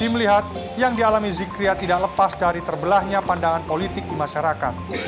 melihat yang dialami zikria tidak lepas dari terbelahnya pandangan politik di masyarakat